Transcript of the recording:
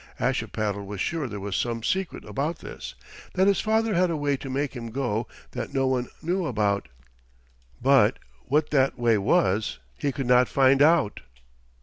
Ashipattle was sure there was some secret about this; that his father had a way to make him go that no one knew about; but what that way was he could not find out.